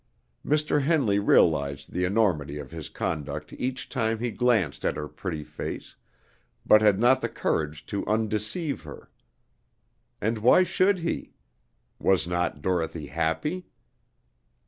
Mr. Henley realized the enormity of his conduct each time he glanced at her pretty face, but had not the courage to undeceive her. And why should he? Was not Dorothy happy?